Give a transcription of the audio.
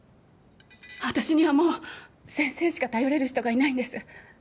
私にはもう先生しか頼れる人がいないんです。